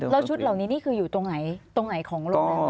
แล้วชุดเหล่านี้คืออยู่ตรงไหนของโรงเรียน